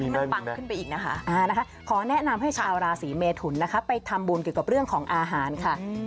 มันปังขึ้นไปอีกนะคะขอแนะนำให้ชาวราศีเมทุนนะคะไปทำบุญเกี่ยวกับเรื่องของอาหารค่ะ